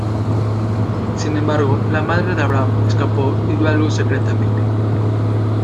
Sin embargo, la madre de Abraham escapó y dio a luz secretamente.